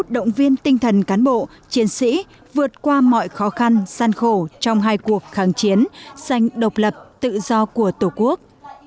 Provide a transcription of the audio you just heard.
động viên tinh thần cán bộ chiến sĩ vượt qua mọi khó khăn gian khổ trong hai cuộc kháng chiến dành độc lập tự do của tổ quốc